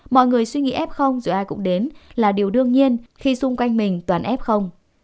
mọi người suy nghĩ f dù ai cũng đến là điều đương nhiên khi xung quanh mình toàn ép không